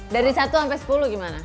dari satu sampai sepuluh gimana